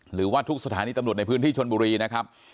หรือว่าทุกสถานีตำรวจในพื้นที่ชนบุรีนะครับ